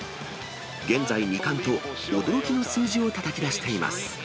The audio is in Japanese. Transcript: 現在２冠と、驚きの数字をたたき出しています。